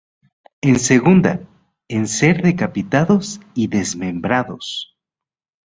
En segunda, en ser decapitados y desmembrados.